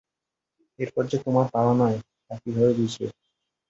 এরপর যে তোমার পালা নয় তা কিভাবে বুঝবে?